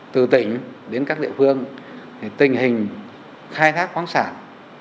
từ tỉnh đến các địa phương tình hình khai thác khoáng sản